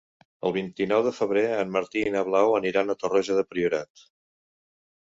El vint-i-nou de febrer en Martí i na Blau aniran a Torroja del Priorat.